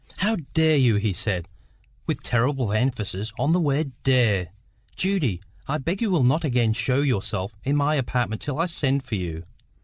"How DARE you?" he said, with terrible emphasis on the word DARE. "Judy, I beg you will not again show yourself in my apartment till I send for you."